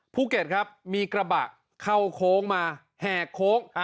ภูเก็ตครับมีกระบะเข้าโค้งมาแหกโค้ง